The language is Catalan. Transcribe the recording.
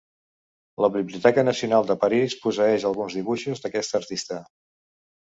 La Biblioteca Nacional de París posseeix alguns dibuixos d'aquest artista.